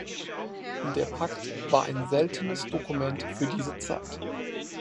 Der Pakt war ein seltenes Dokument für diese Zeit.